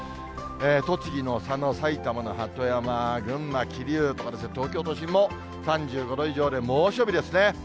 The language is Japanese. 栃木の佐野、埼玉の鳩山、群馬・桐生とか、東京都心も３５度以上で猛暑日ですね。